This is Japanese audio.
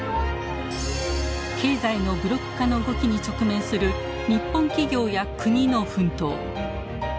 経済のブロック化の動きに直面する日本企業や国の奮闘。